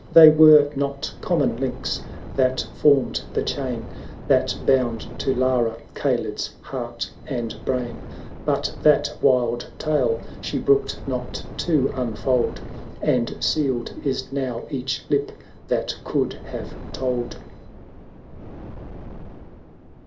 1 180 They were not common links, that formed the chain That bound to Lara Kaled's heart and brain; But that wild tale she brooked not to unfold, And sealed is now each lip that could have told.